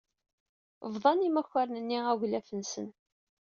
Bḍan yimakaren-nni aglaf-nsen.